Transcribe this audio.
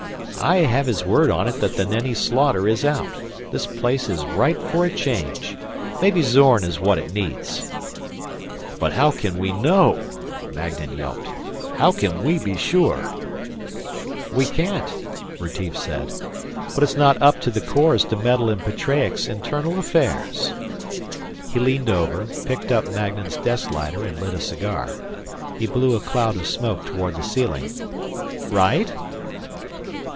"I have his word on it that the Nenni slaughter is out. This place is ripe for a change. Maybe Zorn is what it needs." "But how can we know?" Magnan yelped. "How can we be sure?" "We can't," Retief said. "But it's not up to the Corps to meddle in Petreacs' internal affairs." He leaned over, picked up Magnan's desk lighter and lit a cigar. He blew a cloud of smoke toward the ceiling. "Right?"